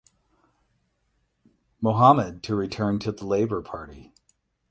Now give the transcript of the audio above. Mohamed to return to the Labour party.